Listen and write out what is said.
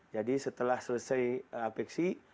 jadi setelah selesai apeksi